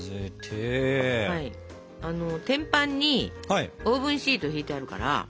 天板にオーブンシート敷いてあるから。